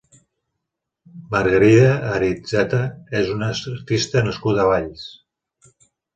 Margarida Aritzeta és una artista nascuda a Valls.